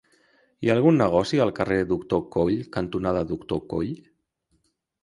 Hi ha algun negoci al carrer Doctor Coll cantonada Doctor Coll?